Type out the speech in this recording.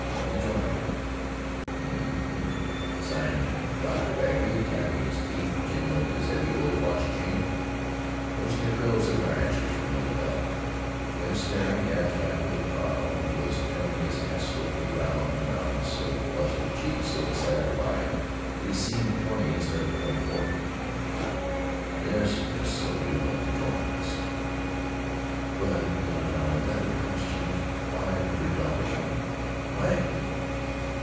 Want to join." "Hm, hm," sighed Dr. Bagby, tapping his teeth, jingling his heavy gold watch chain, brushing a trail of cigar ashes from a lapel, then staring abstractedly at Carl, who was turning his hat swiftly round and round, so flushed of cheek, so excited of eye, that he seemed twenty instead of twenty four. "Yes, yes, so you'd like to join. Tst. But that would cost you five hundred dollars, you know." "Right!"